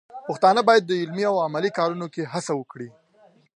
پښتانه بايد د علمي او عملي کارونو کې هڅه وکړي.